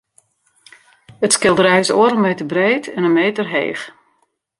It skilderij is oardel meter breed en in meter heech.